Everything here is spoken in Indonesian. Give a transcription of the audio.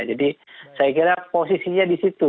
jadi saya kira posisinya di situ